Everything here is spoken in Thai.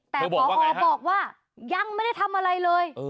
แต่พอบอกว่ายังไม่ได้ทำอะไรเลย